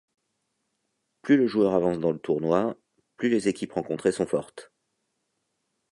Plus le joueur avance dans le tournoi, plus les équipes rencontrées sont fortes.